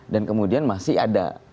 dan kemudian masih ada